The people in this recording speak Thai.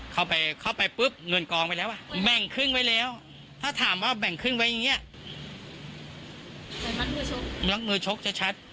เข้าไปเข้าไปปุ๊บเงินกองไปแล้วไอ้แหม่งขึ้นไหมแล้วถ้าถามว่าแบ่งขึ้นมัน